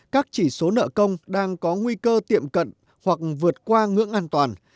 các chỉ số nợ công đang có nguy cơ tiệm cận hoặc vượt qua ngưỡng an toàn